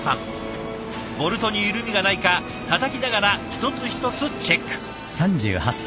ボルトに緩みがないかたたきながら一つ一つチェック。